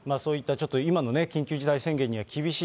ちょっと今の緊急事態宣言には厳しい、